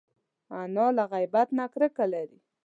انا له غیبت نه کرکه لري